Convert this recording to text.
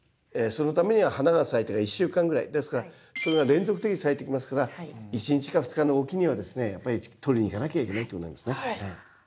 そのためには花が咲いてから１週間ぐらいですからそれが連続的に咲いていきますから１日か２日置きにはですねやっぱり取りに行かなきゃいけないっていうことになりますね。